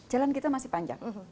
jalan kita masih panjang